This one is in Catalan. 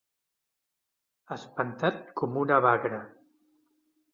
Espantat com una bagra.